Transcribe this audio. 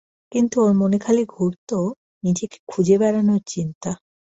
কিন্তু ওর মনে খালি ঘুরত, নিজেকে খুঁজে বেড়ানোর চিন্তা।